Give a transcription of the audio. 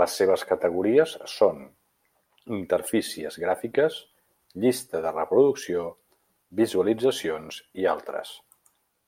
Les seves categories són: interfícies gràfiques, llista de reproducció, visualitzacions i altres.